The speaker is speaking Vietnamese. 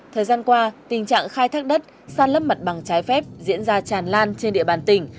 thời gian qua tình trạng khai thác đất sàn lấp mặt bằng trái phép diễn ra tràn lan trên địa bàn tỉnh